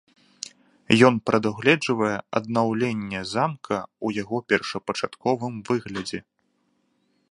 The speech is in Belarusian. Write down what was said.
Ён прадугледжвае аднаўленне замка ў яго першапачатковым выглядзе.